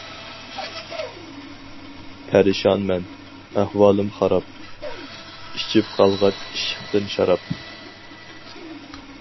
پەرىشانمەن، ئەھۋالىم خاراب، ئىچىپ قالغاچ ئىشقتىن شاراب.